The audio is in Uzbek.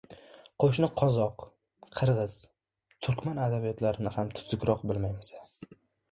Qo‘shni qozoq, qirg‘iz, turkman adabiyotlarini ham tuzukroq bilmaymiz-a?